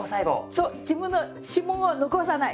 そう自分の指紋は残さない。